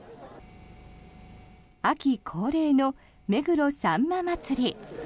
秋恒例の目黒さんま祭。